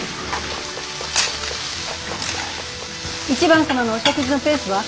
１番様のお食事のペースは？